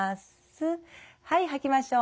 はい吐きましょう。